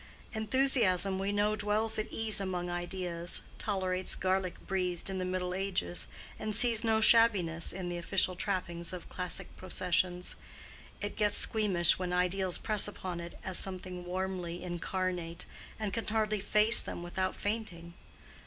Enthusiasm, we know, dwells at ease among ideas, tolerates garlic breathed in the middle ages, and sees no shabbiness in the official trappings of classic processions: it gets squeamish when ideals press upon it as something warmly incarnate, and can hardly face them without fainting.